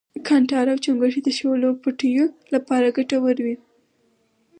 کانټار او چنگښې د شولو پټیو لپاره گټور وي.